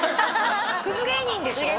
クズ芸人でしょ？